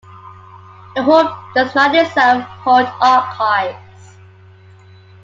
The Hub does not itself hold archives.